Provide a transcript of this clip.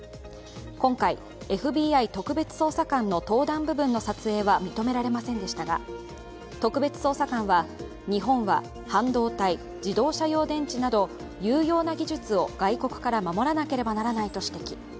今回、ＦＢＩ特別捜査官の登壇部分の撮影は認められませんでしたが特別捜査官は日本は半導体、自動車用電池など、有用な技術を外国から守らなければならないと指摘。